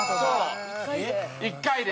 １回で。